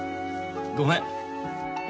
ごめん。